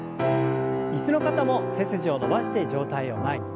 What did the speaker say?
椅子の方も背筋を伸ばして上体を前に。